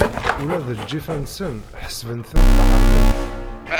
Ula d lǧifat-nsen, ḥesbet-tent ḥeṛṛment.